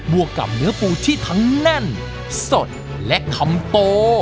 วกกับเนื้อปูที่ทั้งแน่นสดและคำโต